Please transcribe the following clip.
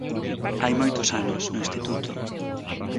Hai moitos anos, no instituto.